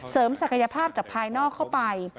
ศักยภาพจากภายนอกเข้าไป